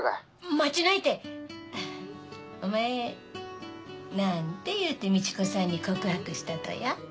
待ちないてお前何て言うてみち子さんに告白したとや？